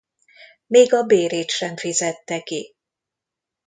Még a bérét sem fizette ki.